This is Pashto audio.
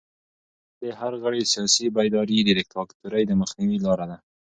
د ټولنې د هر غړي سیاسي بیداري د دیکتاتورۍ د مخنیوي لاره ده.